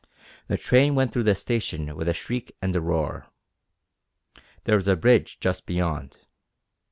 The train went through the station with a shriek and a roar. There was a bridge just beyond.